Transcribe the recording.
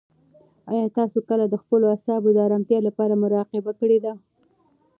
آیا تاسو کله د خپلو اعصابو د ارامتیا لپاره مراقبه کړې ده؟